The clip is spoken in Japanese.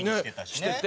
してて。